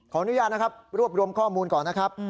อนุญาตนะครับรวบรวมข้อมูลก่อนนะครับ